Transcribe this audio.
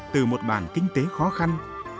từ một bản kinh tế khó khăn